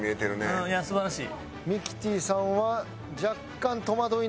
うん素晴らしい。